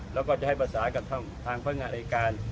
แล้วก็จะให้ภาษากันทางพัฒนาไลการ